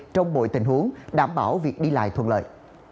trong mọi tình huống đảm bảo việc đi lại thuận lợi